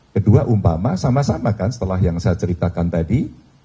kedua umpama sama sama kan setelah yang saya ceritakan tadi